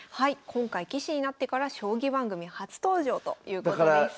今回棋士になってから将棋番組初登場ということです。